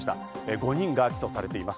５人が起訴されています。